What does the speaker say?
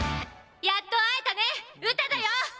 やっと会えたね、ウタだよ。